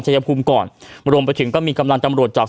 เชษภูมิกว่าก่อนรวมเราถึงก็มีกำลังตำรวจจาก